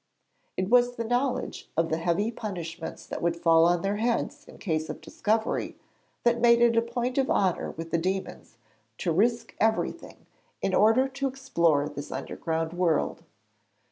It was the knowledge of the heavy punishments that would fall on their heads in case of discovery that made it a point of honour with the demons to risk everything in order to explore this underground world.